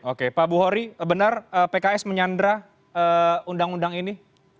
oke pak buhori benar pks menyandra undang undang ini